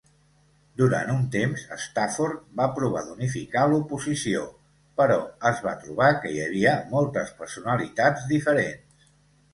Durant un temps, Stafford va provar d'unificar l'oposició, però es va trobar que hi havia moltes personalitats diferents.